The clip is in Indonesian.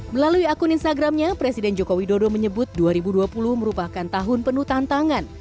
melalui akun instagramnya presiden joko widodo menyebut dua ribu dua puluh merupakan tahun penuh tantangan